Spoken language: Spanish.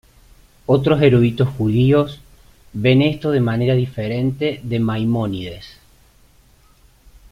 Otros eruditos judíos ven esto de manera diferente de Maimónides.